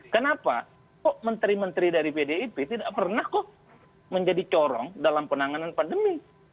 kenapa kok menteri menteri dari pdip tidak pernah kok menjadi corong dalam penanganan pandemi